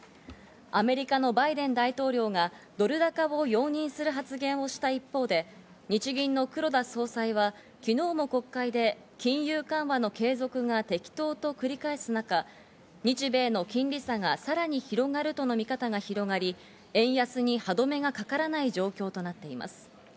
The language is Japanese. アメリカのバイデン大統領がドル高を容認する発言をした一方で、日銀の黒田総裁は昨日も国会で金融緩和の継続が適当と繰り返す中、日米の金利差がさらに広がるとの見方が広がり、円安に歯止めがかからない状況となっています。